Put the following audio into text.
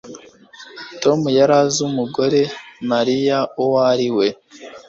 Tom yari azi umugore Mariya uwo ari we